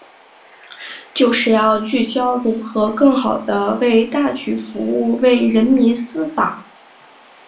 就是要聚焦如何更好地为大局服务、为人民司法